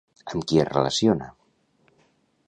Amb qui es relaciona?